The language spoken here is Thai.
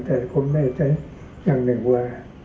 แต่ผมได้ใช้อย่างหนึ่งว่า